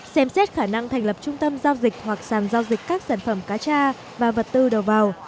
xem xét khả năng thành lập trung tâm giao dịch hoặc sàn giao dịch các sản phẩm cá cha và vật tư đầu vào